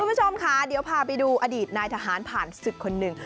คุณผู้ชมค่ะเดี๋ยวพาไปดูอดีตนายทหารผ่านศึกคนหนึ่ง